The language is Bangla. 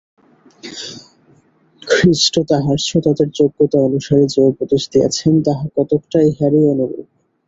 খ্রীষ্ট তাঁহার শ্রোতাদের যোগ্যতা অনুসারে যে-উপদেশ দিয়াছেন, তাহা কতকটা ইহারই অনুরূপ।